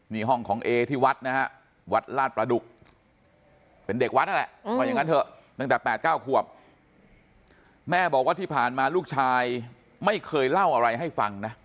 นี่ห้องของเอที่วัดนะฮะวัดลาดประดุกเป็นเด็กวัดนั่นแหละว่าอย่างนั้นเถอะตั้งแต่๘๙ขวบแม่บอกว่าที่ผ่านมาลูกชายไม่เคยเล่าอะไรให้ฟังนะ